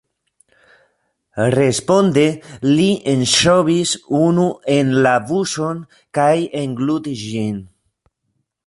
Responde li enŝovis unu en la buŝon kaj englutis ĝin.